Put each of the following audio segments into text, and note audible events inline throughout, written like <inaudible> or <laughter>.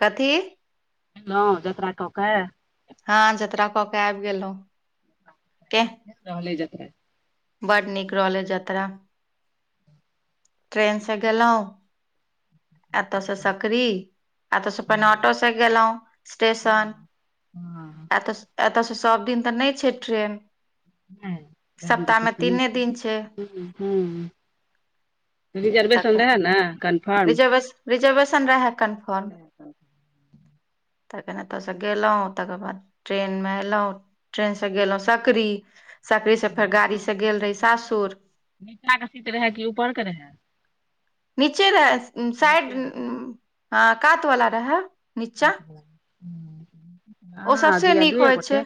कथी? हँ जतरा कऽ कऽ। हँ जतरा कऽ के आबि गेलहुं के <unintelligible> रहलय जतरा। बड नीक रहलै जतरा। ट्रेनसँ गेलहुँ? एतऽ सऽ सकरी एतसँ पहिने ऑटो सऽ गेलहुं स्टेशन। हँ एतऽ एतऽ सँ सबदिन तऽ नहि छैय ट्रेन। सप्ताह मे तीने दिन छै <unintelligible> रिजर्वेशन तखन रहे ने कनि रिजर्वेशन रहै कनफर्म। तऽ कन एतयसँ गेलहुँ तकर बाद ट्रेनमे एलहुँ। ट्रेन सऽ गेलहुँं सकरी सकरी से फेर गाड़ी सऽ गेल रही सासुर। नीचाके सीट रहए कि ऊपरके रहए? <unintelligible> रहए साइड नीचे रहै उम्म कात वला रहए। ओ अहां सबसे अबी आ नीक दुये होइ छै गोटे।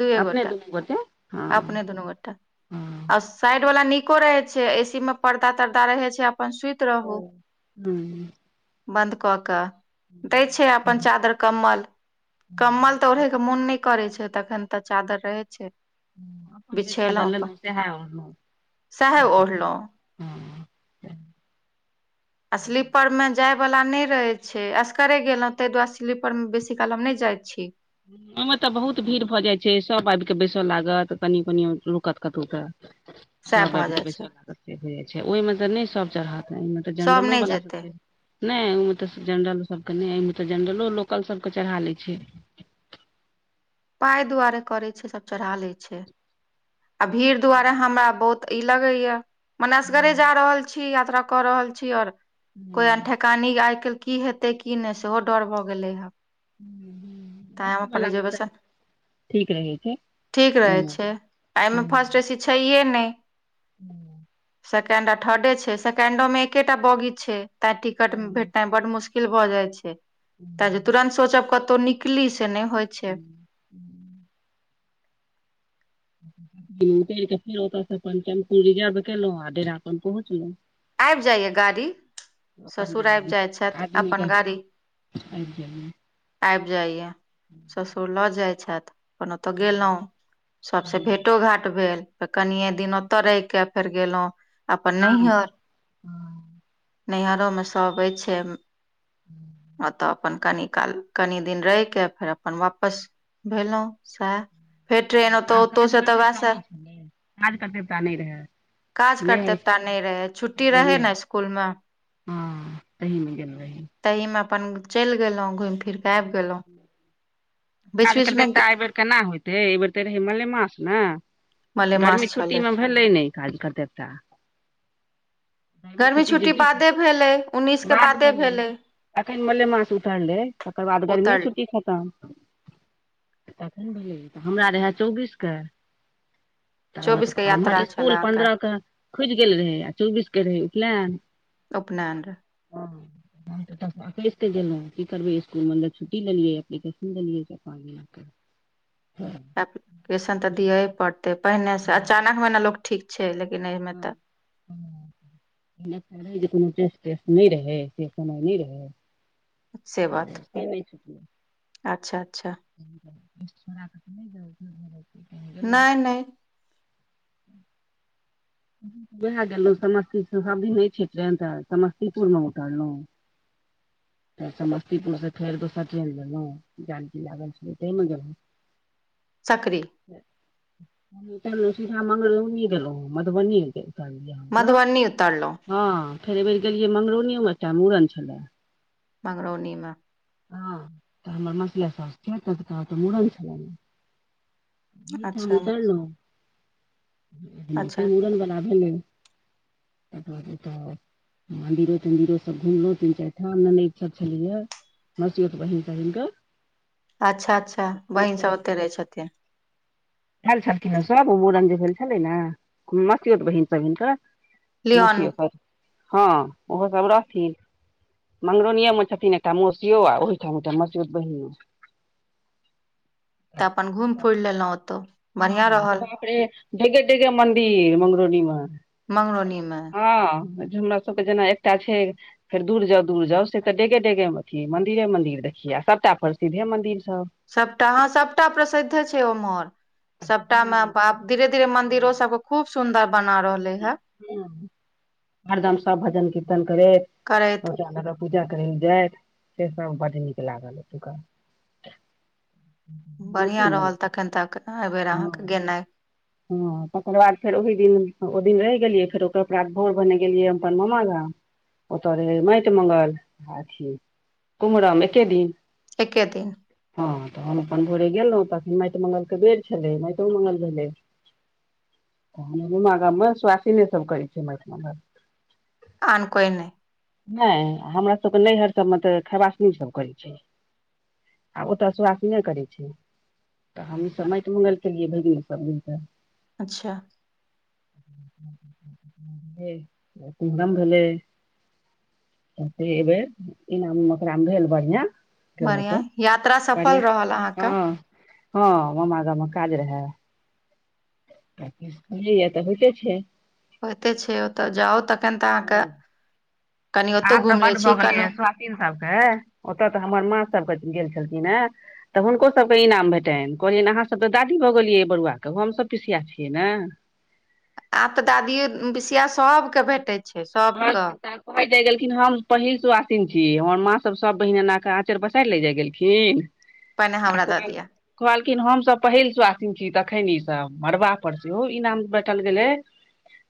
दुए अपने गोटा दूनू गोटे हँ अपने दुनू गोटा हँ। आ साइड वाला निको रहे छैय ए सी में पर्दा तर्दा रहे छैय अपन सुति रहू। हू बन्द क क। दै छैय अपन चादर कम्बल कम्बल तऽ ओढ़ैके मोन नहि करैत छैय तखन। तऽ चादर रहै छैय। अपन जे चादर बिछेलहु अपन लेलहुँ सएह ओढ़लहुँ सहे ओढ़लहुं। हँ आ स्लीपरमे जायवला नहि रहै छैय असगरे गेलहुँ ताहि दुआरे स्लीपरमे बेसी काल हम नहि जाइत छी। ओहिमे तऽ बहुत भीड़ भऽ जाइ छैय सभ आबि कऽ बैसय लागत कनि कनि रुकत कतहु तऽ। <inaudible> सएह सभ भऽ आयब जाइ कऽ बैस छै हो जाइ छैय ओहिमे तऽ नहि सभ चढ़त ओमे तऽ सब जनरलो नहि वला सभ जेतै छैय। नहि ओहिमे तऽ जनरल सबके नहि एहिमे तऽ जनरलो लोकल सबके चढ़ा लै छैय। पाय दुआरे करय छैय सब चढ़ा लै छैय आ भीड़ दुआारे हमरा बहुत तऽ ई लगेया मनेसगरे जा रहल छी यात्रा कऽ रहल छी आऔर कोई अनठ हूँ कानी आइ काल् की हेतै की नहि सेहो डर भऽ गेलै ह। ह रिजर्वेशन ठीक रहै छैय। ठीक रहै छैय आ एहिमे फर्स्ट ए सी छैहे नहि। हूँ सेकेंड आ थर्डे छैय सेकेंडोमे एकेटा बगी छैय। तें टिकट भेटनाय बड मुशकिल भए जाय छैय तें जे तुरंत सोचब कतौ नीक निकली से नहि होइ छैय। <inaudible> अपन टेम्पू रिजर्व केलहु आ डेरा अपन पहुँचलहू। आबि जाइया गाड़ी? अपन ससुर आबि गाड़ी जाइत छथि आदमीके अपन गाड़ी। आबि गेलियै आबि जाइया ससुर लऽ जाइत छथि। अपन ओत गेलहुँ सबसे भेटो घाट भेल त कनिये दिन एतह रहै केँ फेर गेलहुँं अपन गाम नैहर नैहरो में सब एछै <inaudible> ओतय अपन कनि काल कनि दिन रहि कऽ फेर अपन वापस भेलहुँ सैऽ <unintelligible> काज नहि करतेवता एहि नहि रहै छुट्टी बेर रहै नहि नै इसकुलमे हँ तहि में गेल रही तहिमे अपन चलि गेलहुँं घुमि फिरके आबि गेलहुँ <inaudible> बीच बीचमे कौना होइते अए बेर तऽ रहै मलेमास न गर्मी मलेमास छुट्टी छलै म भेलैं नहि काज कऽ देवता <inaudible> गर्मी छुट्टी <unintelligible> बादे भेलै उन्नैसके बाद बादे भेल भेलै एखन मलेमास उतरलै तकर बाद गर्मीए उतर छुट्टी खतम तखन भेलै इ हमरा रहै चौबीस केँ ताबत चौबीसके <unintelligible> यात्रा छलए इसकुल अहाँके पन्द्रह केँ खुइज गेल रहे आ चौबीस केँ रहे उपनैन उपनैन रह हँ हम तऽ एते एकेइस के गेलौं की करबै इसकु इसकुल मतलब छुटी लेलियै एप्लिकेशन देलियै चैर पाँच दिन के <inaudible> एप्लीकेशन तऽ दिए पड़तै पहिनेसँ अचानकमे ने लोक ठीक छै लेकिन एहिमे तऽ। <inaudible> पहिले तऽ रह जे कोनो टेस्टस्ट नहि रहै से समय नहि रहै से बात से नहि छुटलै <inaudible> अच्छ अच्छ <unintelligible> नै नै <inaudible> वएह गेलहुं समस्तीस सब दिन रहय छै ट्रेन तऽ समस्तीपुर मे उतरलहुँ त समस्तीपुर से फेर दोसर ट्रेन लेलहुं जानकी लागल छल तै मे गेलहुँ सकरी <inaudible> सीधा मंगरौनी गेलै मधबनी गेलै मधुबनी उतरलहुँ <inaudible> हँ फेर एहिबर गेलियै मंगरौनियोमे एकटा मूड़न छलै मंगरौनी मऽ हँ तऽ हमर मसिया साउस छै तिनका ओत मूड़न छलैन एहिठाम अच्छा उतरलहुं अच्छा <inaudible> मुड़न बला भेलै <unintelligible> त तऽ मंदिरो तंदिरो सब घुमलो तीन चार ठाम ननेद सब छलै यऽ मसियौत बहिन तहिन कऽ अच्छा अच्छा बहिन सब ओते रहै छथिन आएल छलखिन सब ओ मूड़न जे भेल छलै ने मसियौत बहिन सब हिनकर मौसी लियौन ओकर हँ ओहोसभ रहथिन मंगरोनियेमे छथिन एकटा मौसियो आ ओहि ठाम एकटा मसयौत बहिनो तऽ अपन घूम फिर लेलौ ओतो हँ तऽ बाप रे डेगे डेगे मन्दिर मंगरौनीमे मंगरौनी मे <inaudible> हँ ज हमरा सबके जेना एकटा छै फेर दूर जाउ दूर जाउ से तऽ डेगे डगे मे अथी मंदिरे मंदिरे देखिये आ सभटा प्रसिद्धे मंदिर सब सभटा हँ सभटा प्रसिद्धे छै ओम्हर सबटामे मन्दिर आब धीरे धीरे मंदिरो हँ, सबके खूब सुंदर बना रह हरदम सब भजन कीर्तन करैत करैत पूजा करै लए जाइत से सब बड नीक लागल एतुका बढ़िआँ रहल तखन तक नय एहिबेर अहाँके हँ गेनाइ। हँ तकर बाद फेर ओहि दिन ओइ दिन रहि गेलियै फेर ओकर बाद भोर भने गेलियै हम अपन मामा गाम' ओतऽ रहय मेट मंगल आ अथी कुमरम एके दिन एके दिन हँ तऽ हम अपन भोरे गेलहुँ तखन माइट मंगलके बेर छलै माइटो मंगल भेलै। हमर ममागाममे सुआासिने सभ करै छै माइट मंगल आन कोइ नहि नहि हमरा सभके नैहर सभमे तऽ खेबासनी सब करै छै ओतऽ सुआसिने करैत छै तऽ हमही सभ माटि मंगल केलियै भैगनी सभ मिलिके अच्छा फेर कुमहरम भेलै। से एहि बेर इनाम मोकराम भेल बढ़िया गेलौं बढ़िया तऽ यात्रा बढ़िया सफल रहल अहाँके हँ हँ मामा गाममे काज रहए जीयतऽ होइते छै। होइते छै ओतय जाउ तखन तऽ अहाँके कनि ओतौ आब तऽ घुमि लै बड छी भऽ गेलै कनि ऐ सुआसिन सबके ओतय तऽ हमर माँ सभके जे गेल छलखिन हे तऽ हुनको सभके इनाम भेटैन कहलियनि अहाँसभ तऽ दादी भऽ गेलियै बरुआके हमसभ पिसिया छियै ने आब तऽ दादीये पिसिया सबके भेटेत हँ त <inaudible> कहय जाइ गेलखिन हम पहिल सुआासिन छी हमर माँ सब सब बहिन एन कऽ आँचर पसारि ले जाय गेलखिन। पहिने आ हमरा को दऽ दिअ <unintelligible> कहलखिन हम सभ पहिल सुआसिन छी तखन ई सभ मड़बा पर सेहो इनाम भेटल गेलै।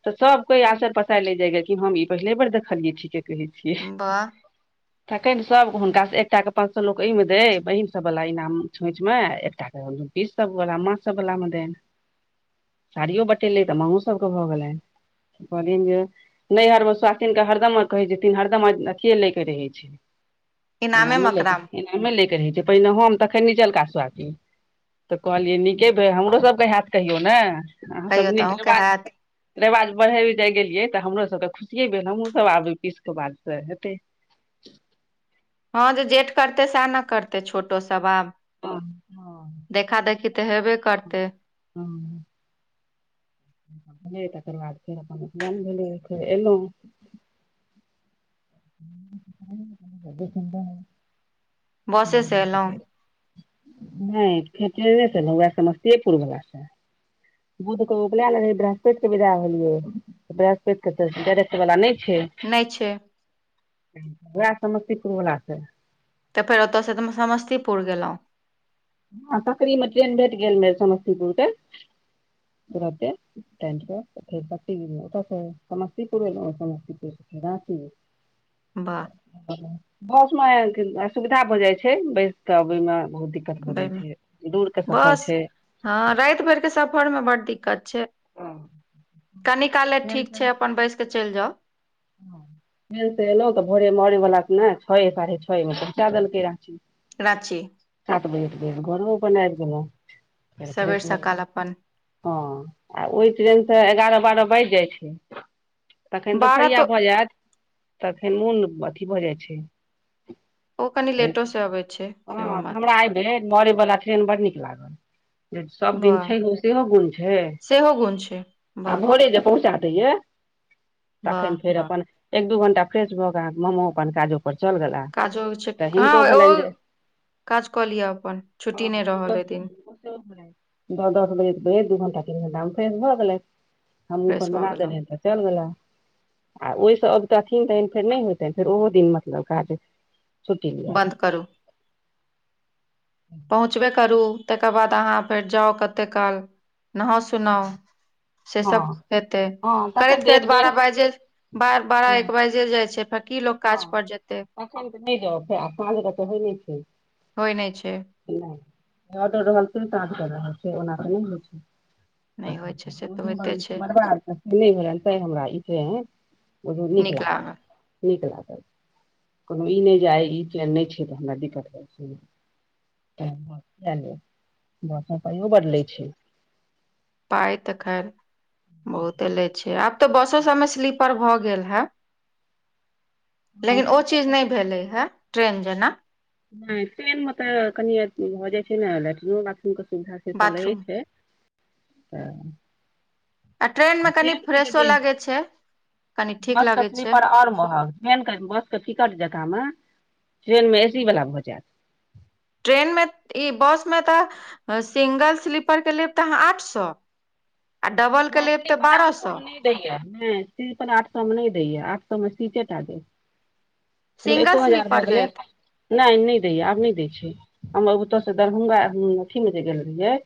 तऽ सभ कोय आसे पसाइर लय जाइ गेलखिन कि हम ई पहिले बेर देखलियै ठीके कहै छियै। वाह तखनि सभ हुनकासँ एकटाके पाँच सए लोक एहिमे दै बहीनसभवला इनाम छोँचिमे एकटाके। ईी सब बोला म सब बोला म <unintelligible> साड़ियो बटेलै तऽ माओ सबके भऽ गेलै कहलियनि कहलियने जे नैहरमे स्वासनक के हरदम कहे जेथिन हरदम अथि लै के रहै छै इनामे एनामे लैके मकराम एनामे लैके रहै छै पहिने हम तखन निचलका सावासीन तऽ कहलियै नीके भेल हमरोसभकेँ हैत कहियौ ने अहाँसभ कहियो तऽ अहूँके नीकेवाज हेतै हैत रिवाज बढ़ै जाय गेलियै तऽ हमरोसभ तऽ खुशिये भेल हमूँसभ आबै पीस कऽ बादसँ हेतै ' हँ जे जेठ करतै सएह ने करतै छोटोसभ आब हँ हँ देखा देखी तऽ हेबे करतै हँ भेलै तकर बाद फेर अपन उपनयन भेलै फेर एयलहुँ क ह बसे से एलहुँ <inaudible> नै फेटरे से बौआ समस्तियेपुर बलासे बूध के उपले रहे बृहस्पेत के विदा भेलिये बृहस्पति के तऽ डायरेक्ट वला नै छै नै छै वैह समस्तीपुरवलाासँ तऽ फेर ओतय से त समस्तीपुर गेलौह ह सकरी मे ट्रेन भेट गेले समस्तीपुर केे तुरंते फेर त समस्तीपुर भेल समस्तीपुर बाँकि बाह बस मे सुविधा भऽ जाइ छै बैस कऽ ओहिमे बहुत दिक्कत दिक्कत भए जाइ वाह छै दूर के सफर बस छै हँ रात भरके सफरमे बड दिक्कत छै हँ, कनि काले ट्रेन ठीक से छै अपन बैस क चेल जाउ फन से एलहुँ तऽ भोरे मरे वलााक के ने छओ साढ़े छओमे पहुँचा देलकै रहै राँची सात बजे घर ब आ गेल सबेर फ्रेश सकाल अपन हँ आ ओहि ट्रेन से एगारह बारह बाज जाइ छै तखन तऽ बारह तो आएत तखन मन अथी भऽ जाइ छै ओ कनि लेटो से अबै छै सेहो बात छै ह मरे बला बड नीक लागल जे सभ दिन वाह छै सेहो गुण छै सेहो गुण छै आ वाह भोरे जे पहुँचा दैये तखन वाह फेर वाह अपन एक दू घंटा फ्रेश भऽ क मोमो अपन काजो काजो छै हँ ओ जे काज कऽ लिअ अपन छुट्टी नहि रहल ओहि दिन' त हमरा <inaudible> नो दस बजे दू घण्टा तीन घण्टा हम फेगै हम भ गेलेन फ्रेश भऽ पन्द्रह गेलहुँ जने ह त चन गेला आ ओहिसँ अबतथिन तहन फेर नहि होयइतनि फेर ओहो दिन मतलब काज छुट्टी लिअ बन्द करू पहुँचबे करू तकर बाद अहाँ फेर जाउ कते काल नहा सुनाउ से हँ सब हेतै हँ करैत तखन तऽ एक करैत बारह डेढ़ बाजे बारह एक बाजे जाइ छै फेर की लोक काज हँ पर जेतै एखन तऽ नहि जाउ फेर साँझ तऽ होइ नहि छै होइ नहि छै ओडर रहै त काँज कर रहलइ छै ओना क होइ छै नहि होइ छै से तऽ होइते छै <unintelligible> बुझू नीक लागत नीक लागल कोनो ई नहि जाइ ई चन नहि छै तऽ हमरा दिक्कत भए जात ल <unintelligible> भाषा पइो बदलै छै पाइ तऽ खैर बहुते ले छै आब तऽ बसो सभमे स्लीपर भऽ गेल हे लेकिन ओ चीज नहि भेलै हें ट्रेन जेना नहि ट्रेनमे तऽ कनि भऽ जाइ छै ने लेट्रिनो बाथरूमके सुविधा से सब रहै बाथरूम छै <inaudible> आ ट्रेन मे कनि उमहर फ्रेशो से लगै छै कनि ठीक बस के <unintelligible> लगै छै स्लीपर आओर महग ट्रेनके बसके टिकट जकाँमे ट्रेनमे ए सी वला भऽ जायत ट्रेनमे ई बसमे तऽ सिंगल स्लीपरके लेब तऽ अहाँ आठ सए आ डबल के लेब तऽ बारह सए दयऽ नै, स्लीपर आठ सएमे नहि दैया आठ सएमे सीटेटा देत तऽ एको सिंगल हजार भ स्लीपर गेले देत नहि नहि दैय आब नहि दै छै हम बूतयसँ दरभंगा अथीमे जे गेल रहियै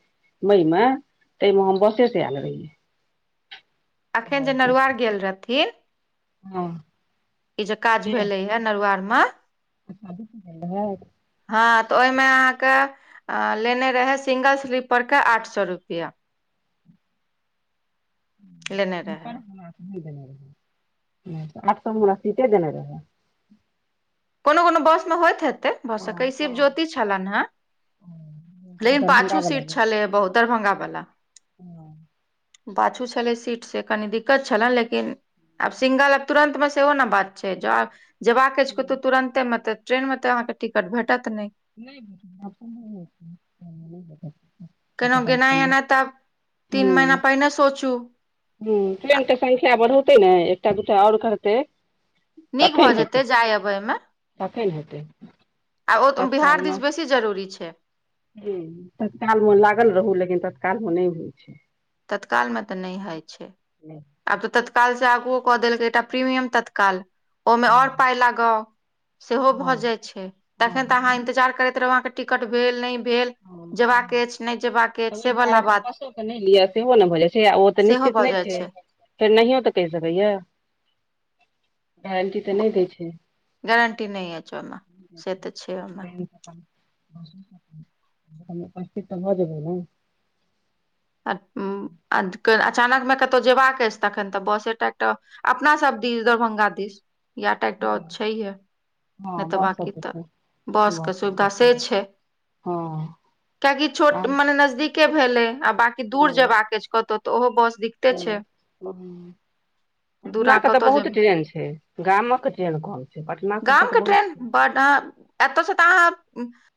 मई मे ताहि मे हम बसे से आयल रहियै अखन जे हँ नरुवार गेल रहथिन <unintelligible> ई जे काज भेलै यऽ नउआरमे <unintelligible> हँ तऽ ओहिमे अहाँकेँ अऽ लेने रहै सिंगल स्लीपर केँ आठ सौ रुपैया <inaudible> लेने <inaudible> रहै आठ सौ म हमरा सीटे देने रहै कोनो कोनो बस मऽ होइत हेतै भऽ सकै शिव ज्योति <inaudible> छलनि है लेकिन दरभंगा पाछू बला सीट मे छलै हे बहुत दरभंगा बला पाछू छलै सीट सँ कनी दिक्कत छलै लेकिन आब सिंगल आ तुरंत मऽ सेहो नऽ बात छै ज जेबाक कतौ तुरंते मऽ तऽ ट्रेन मऽ तऽ अहाँ केँ टिकट भेटत नहि केना गेनाइ एनाइ <unintelligible> तऽ आब तीन महिना पहिने सोचू हू ट्रेन कऽ संख्या बढ़ौतै न एकटा दूटा और कहतै नीक भऽ जेतै जाय अबै मऽ तखन हेतै <inaudible> आ औ तऽ बिहार दिस बेसी जरूरी छै हँ तत्कालमे लागल रहू लेकिन तत्कालमे नहि होइ छै तत्कालमे तऽ नहि होइ छै <inaudible> आब तऽ तत्कालसँ आगुओ कऽ देलकै एकटा प्रीमियम तत्काल ओइमे और पाय लगाउ सेहो भऽ हँ जाइत छै हँ तखन तऽ अहाँ हँ इन्तजार करैत रहू अहाँकेँ टिकट भेल नहि भेल जेबाक अछि नहि जेबाक <inaudible> त अछि ओइ से वला दोआरे बात बस क नै लिए सेहो नऽ भऽ जयछै ओ तऽ सेहो निश्चित भऽ नहि जाइ छै फेर नहियो तऽ कहि सकैयऽ <inaudible> गारंटी तऽ नहि दै छै गारंटी नहि अछि ओइम से तऽ छै ओइम <inaudible> <unintelligible> उपस्थित तऽ भऽ जेबै ने <unintelligible> अचानकमे कतहु जेयबाक अछि तखन तऽ बसे टा एकटा अपना सब दिस दरभंगा दिस यैह तऽ एकटा छहिए हँ नहि तऽ बस सब बाँकी तऽ छै बस कऽ सुविधा से छै हँ किएककि छोट आर मने नजदीके भेले आ बाकी दूर हँ जेबाक अछि कतहु तऽ ओहो बस दिक्कते छै <unintelligible> दूर पटना अहाँ कऽ तऽ कतय बहुत जेबै ट्रेन छै गाम कऽ ट्रेन कम छै पटना सब कऽ तऽ बहुत छै <unintelligible> एतऽसँ त अहाॅं